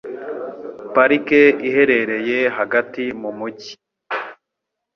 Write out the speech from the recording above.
Parike iherereye hagati mu mujyi.